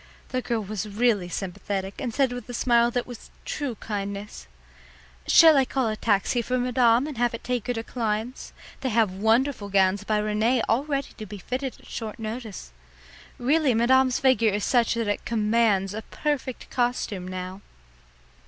The girl was really sympathetic and said with a smile that was true kindness: "Shall I call a taxi for madame and have it take her to Klein's? They have wonderful gowns by Rene all ready to be fitted at short notice. Really, madame's figure is such that it commands a perfect costume now."